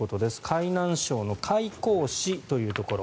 海南省の海口市というところ。